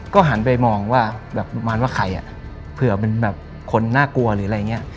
ก็หันไปมองว่าแบบประมาณว่าใครอ่ะเผื่อเป็นแบบคนน่ากลัวหรืออะไรอย่างนี้